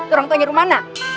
orang tuanya rumah mana